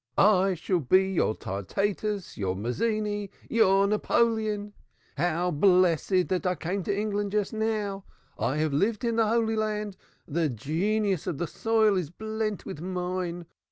I shall be your Tyrtaeus, your Mazzini, your Napoleon. How blessed that I came to England just now. I have lived in the Holy Land the genius of the soil is blent with mine.